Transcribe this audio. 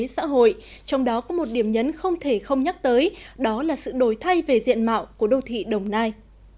xã hội trong đó có một điểm nhấn không thể không nhắc tới đó là sự đổi thay về diện mạo của đô thị đồng nai